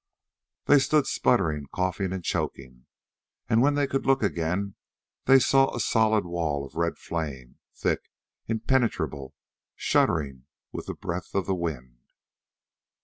They stood sputtering, coughing, and choking, and when they could look again they saw a solid wall of red flame, thick, impenetrable, shuddering with the breath of the wind.